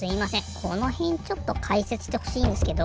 このへんちょっとかいせつしてほしいんですけど。